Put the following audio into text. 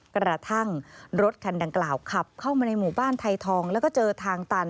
กระทั่งรถคันดังกล่าวขับเข้ามาในหมู่บ้านไทยทองแล้วก็เจอทางตัน